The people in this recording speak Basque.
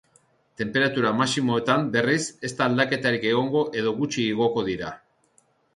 Tenperatura maximoetan, berriz, ez da aldaketarik egongo edo gutxi igoko dira.